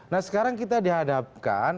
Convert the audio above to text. nah sekarang kita dihadapkan